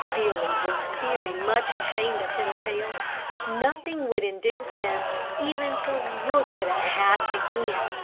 Billy was very much ashamed of himself. Nothing would induce him even to look at a hat again.